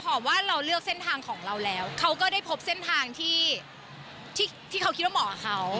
ว่าเราเลือกเส้นทางของเราแล้วเขาก็ได้พบเส้นทางที่เขาคิดว่าเหมาะกับเขา